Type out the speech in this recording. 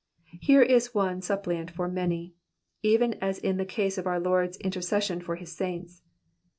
Here is one suppliant for many, even as in the case oi our Lord's intercession for his saints.